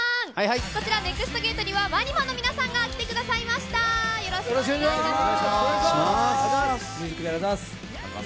こちらＮＥＸＴゲートには、ＷＡＮＩＭＡの皆さんが来てくださいました。